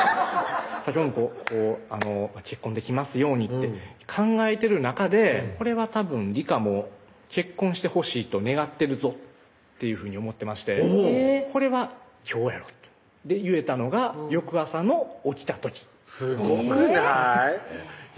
先ほどの結婚できますようにって考えてる中でこれはたぶん里香も結婚してほしいと願ってるぞっていうふうに思ってましてこれは今日やろとで言えたのが翌朝の起きた時すごくない？